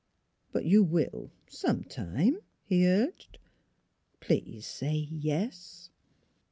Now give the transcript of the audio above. " But you will, sometime," he urged. " Please say yes."